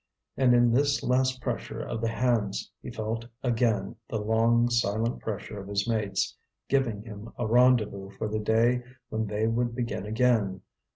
And in this last pressure of the hands he felt again the long, silent pressure of his mates, giving him a rendezvous for the day when they would begin again.